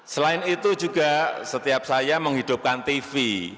selain itu juga setiap saya menghidupkan tv